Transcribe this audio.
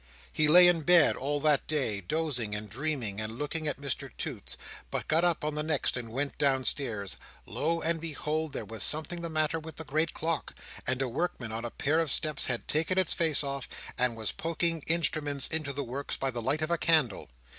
He lay in bed all that day, dozing and dreaming, and looking at Mr Toots; but got up on the next, and went downstairs. Lo and behold, there was something the matter with the great clock; and a workman on a pair of steps had taken its face off, and was poking instruments into the works by the light of a candle!